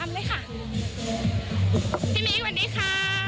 พี่มีควันนี้ค่ะ